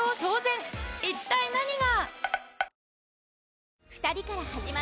一体何が！？